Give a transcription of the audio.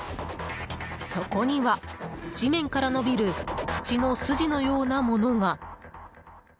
そこには、地面から伸びる土の筋のようなものが。